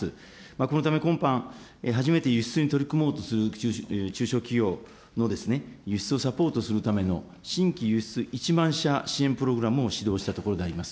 このため、今般、初めて輸出に取り組もうとする中小企業の輸出をサポートするための、新規輸出１万社支援プログラムを指導したところであります。